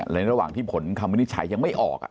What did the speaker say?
ระหว่างที่ผลคำวินิจฉัยยังไม่ออก